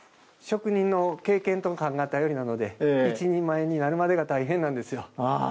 職人の経験と勘が頼りなので一人前になるまでが大変なんですよ。